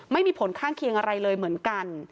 ไม่มีผลข้างเคียงอะไรเลยเหมือนกัน